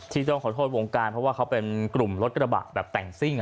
ต้องขอโทษวงการเพราะว่าเขาเป็นกลุ่มรถกระบะแบบแต่งซิ่ง